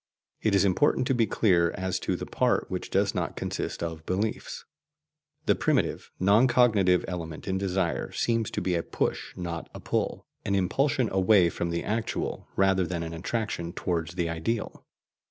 It is important to be clear as to the part which does not consist of beliefs. The primitive non cognitive element in desire seems to be a push, not a pull, an impulsion away from the actual, rather than an attraction towards the ideal.